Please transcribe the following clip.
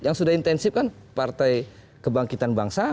yang sudah intensif kan partai kebangkitan bangsa